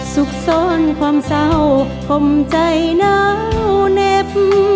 สุขส้นความเศร้าผมใจเหนาเหน็บ